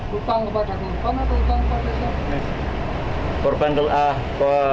hutang kepada korban atau hutang kepada